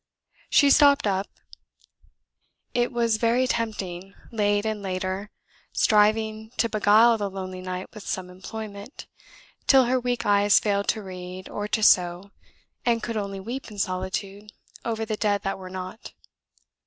She stopped up, it was very tempting, late and later, striving to beguile the lonely night with some employment, till her weak eyes failed to read or to sew, and could only weep in solitude over the dead that were not.